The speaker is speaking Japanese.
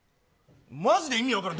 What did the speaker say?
マジで意味分からん。